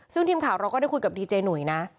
ซึ่งทีมข่าวเราก็ได้คุยกับดีเจหุยนะ